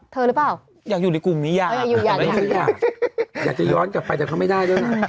หรือเปล่าอยากอยู่ในกลุ่มนี้ยังฉันอยากอยากจะย้อนกลับไปแต่เขาไม่ได้ด้วยนะ